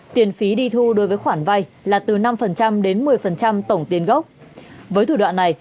tiền phí đi thu đối với khoản vay là từ năm đến một mươi tổng tiền gốc với thủ đoạn này